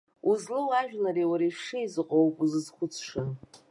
Узлоу ажәлари уареи шәшеизыҟоу ауп узызхәыцша.